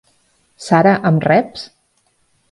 Sara, em reps?